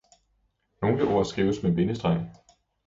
Nogle ord skrives med bindestreg